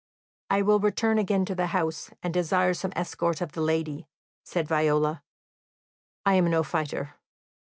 "I will return again to the house, and desire some escort of the lady," said Viola. "I am no fighter."